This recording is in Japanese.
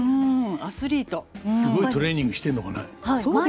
すごいトレーニングしてるのかね？